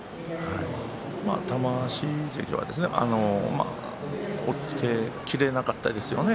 玉鷲関は押っつけきれなかったですよね。